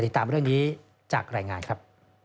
ติดตามเรื่องนี้จากรายงานครับ